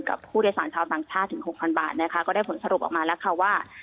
กับผู้โดยสารชาวต่างชาติถึงหกพันบาทนะคะก็ได้ผลสรุปออกมาแล้วค่ะว่า